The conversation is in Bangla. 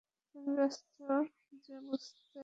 আমি ব্যস্ত যে বুঝতে পারছ না?